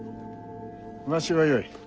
わしはよい。